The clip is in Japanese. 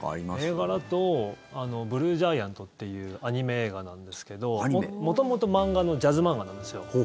映画だと「ＢＬＵＥＧＩＡＮＴ」っていうアニメ映画なんですけど元々、漫画のジャズ漫画なんですよ。